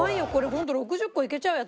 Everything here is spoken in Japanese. ホント６０個いけちゃうよ